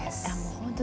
本当